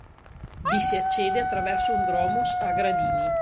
Vi si accede attraverso un dromos a gradini.